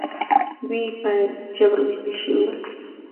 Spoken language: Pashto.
دوی په جبر ویستل شوي ول.